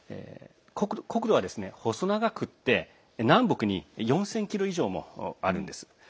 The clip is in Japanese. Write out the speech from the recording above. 国土は細長くて南北に４０００ｋｍ以上もあるんです。